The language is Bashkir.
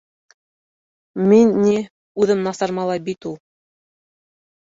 Мин, ни, үҙем насар малай бит ул.